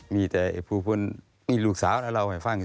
มีแค่ผู้ผู้คนหรือลูกสาวช่วยมันลองให้ฟัง